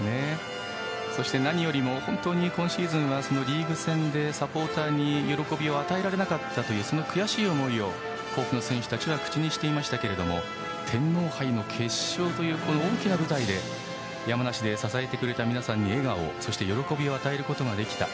そして何よりも今シーズンはリーグ戦でサポーターに喜びを与えられなかったというその悔しい思いを甲府の選手たちは口にしていましたが天皇杯の決勝というこの大きな舞台で山梨で支えてくれた皆さんに笑顔をそして喜びを与えることができた。